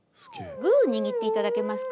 グー握って頂けますか？